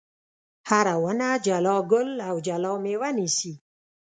هره ونه جلا ګل او جلا مېوه نیسي.